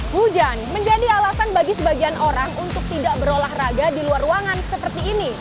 hujan menjadi alasan bagi sebagian orang untuk tidak berolahraga di luar ruangan seperti ini